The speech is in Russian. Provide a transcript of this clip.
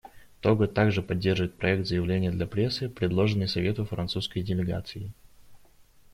Того также поддерживает проект заявления для прессы, предложенный Совету французской делегацией.